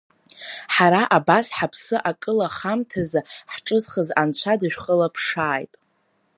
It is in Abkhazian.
Ҳара абас ҳаԥсы акылахамҭазы ҳҿызхыз анцәа дышәхылаԥшааит.